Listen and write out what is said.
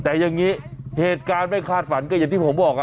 แต่อย่างนี้เหตุการณ์ไม่คาดฝันก็อย่างที่ผมบอก